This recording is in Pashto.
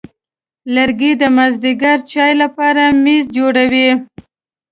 لرګی د مازېګر چای لپاره میز جوړوي.